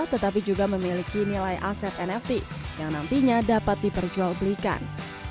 tetapi juga memiliki nilai aset nft yang nantinya dapat diperjual belikan